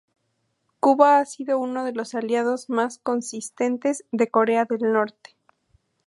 Cuba ha sido uno de los aliados más consistentes de Corea del Norte.